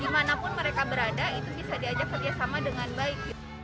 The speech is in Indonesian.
dimanapun mereka berada itu bisa diajak kerjasama dengan baik